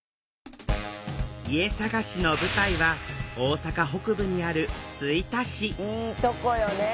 家探しの舞台は大阪北部にある吹田市いいとこよね。